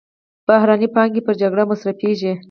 بهرنۍ پانګې پر جګړه مصرفېږي.